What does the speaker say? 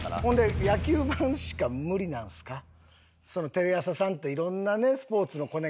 テレ朝さんっていろんなねスポーツのコネがあるから。